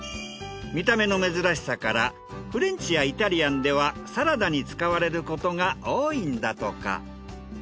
見た目の珍しさからフレンチやイタリアンではサラダに使われることが多いんだとか。